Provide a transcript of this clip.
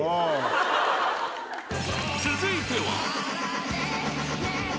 ［続いては］